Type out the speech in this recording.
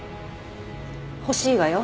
欲しいわよ。